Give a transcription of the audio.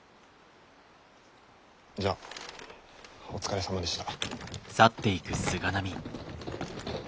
じゃあお疲れさまでした。